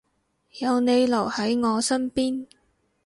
有你留喺我身邊